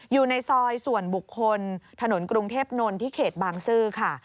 อยู่ในซอยส่วนบุคคลถนนกรุงเทพนนท์ที่เขตบางซื่อค่ะ